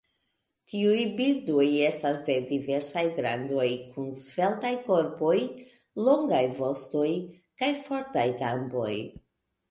Tiuj birdoj estas de diversaj grandoj kun sveltaj korpoj, longaj vostoj kaj fortaj gamboj.